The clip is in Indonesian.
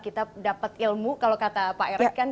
kita dapat ilmu kalau kata pak erick kan